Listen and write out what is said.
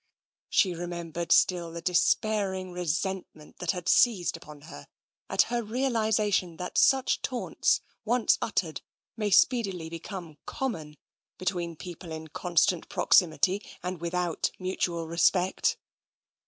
She remembered still the despairing resentment that had seized upon her, at her realisation that such taunts, once uttered, may speedily become common, between people in constant proximity and without mutual re spect.